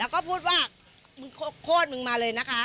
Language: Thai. แล้วก็พูดว่ามึงโคตรมึงมาเลยนะคะ